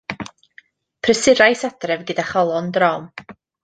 Prysurais adref gyda chalon drom.